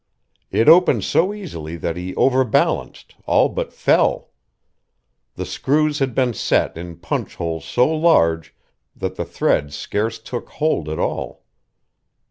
It opened so easily that he overbalanced, all but fell. The screws had been set in punch holes so large that the threads scarce took hold at all.